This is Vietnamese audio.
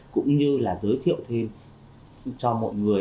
cũng như là giới thiệu thêm cho mọi người